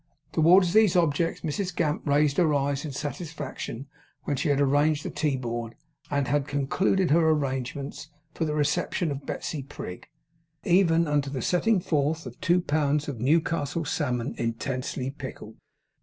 Towards these objects Mrs Gamp raised her eyes in satisfaction when she had arranged the tea board, and had concluded her arrangements for the reception of Betsey Prig, even unto the setting forth of two pounds of Newcastle salmon, intensely pickled.